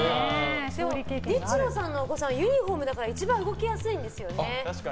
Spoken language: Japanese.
ニッチローさんのお子さんはユニホームだから一番動きやすいんですよね。